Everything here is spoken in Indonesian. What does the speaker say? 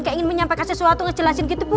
kayak ingin menyampaikan sesuatu ngejelasin gitu bu